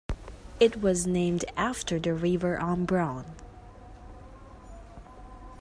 It was named after the river Ombrone.